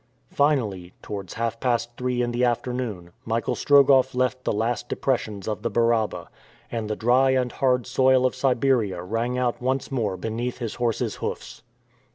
Finally, towards half past three in the afternoon, Michael Strogoff left the last depressions of the Baraba, and the dry and hard soil of Siberia rang out once more beneath his horse's hoofs.